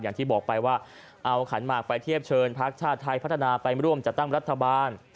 อย่างที่บอกไปว่าเอาขันหมากไปเทียบเชิญพักชาติไทยพัฒนาไปร่วมจัดตั้งรัฐบาล